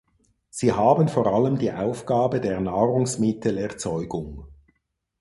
Sie haben vor allem die Aufgabe der Nahrungsmittelerzeugung.